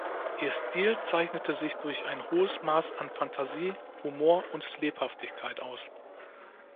Ihr Stil zeichnete sich durch ein hohes Maß an Phantasie, Humor und Lebhaftigkeit aus.